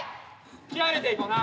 気合い入れていこな！